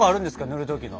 塗る時の。